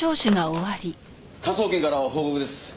科捜研から報告です。